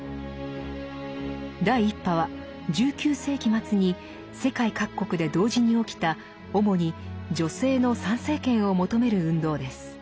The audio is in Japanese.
第一波は１９世紀末に世界各国で同時に起きた主に女性の参政権を求める運動です。